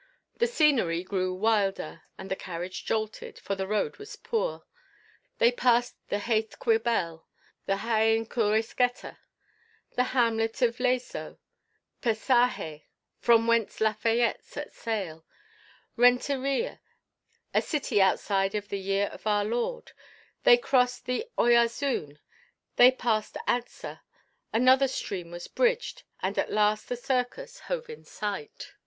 The scenery grew wilder, and the carriage jolted, for the road was poor. They passed the Jayzquibel, the Gaïnchurisqueta, the hamlet of Lezo, Passaje, from whence Lafayette set sail; Renteria, a city outside of the year of our Lord; they crossed the Oyarzun, they passed Alza, another stream was bridged and at last the circus hove in sight.